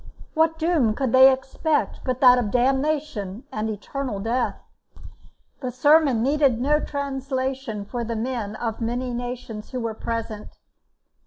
What doom could they expect but that of damnation and eternal death? The sermon needed no translation for the men of many nations who were present.